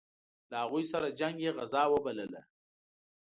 له هغوی سره جنګ یې غزا وبلله.